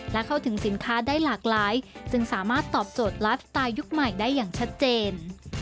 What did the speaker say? และเข้าถึงสินค้าได้หลากหลายจึงสามารถตอบโจทย์ไลฟ์สไตล์ยุคใหม่ได้อย่างชัดเจน